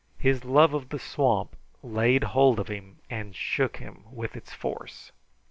His love of the swamp laid hold of him and shook him with its force.